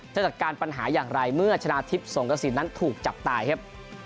จะจัดการปัญหาอย่างไรเมื่อชนะทิพย์สงกระสินนั้นถูกจับตายครับ